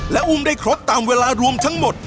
และอุ้มได้ครบตามเวลารวมทั้งหมด